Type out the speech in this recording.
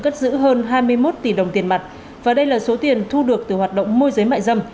cất giữ hơn hai mươi một tỷ đồng tiền mặt và đây là số tiền thu được từ hoạt động môi giới mại dâm